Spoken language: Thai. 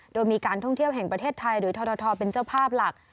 โดยมีการท่องเที่ยวแห่งประเทศไทยหรือทรทเป็นเจ้าภาพหลัก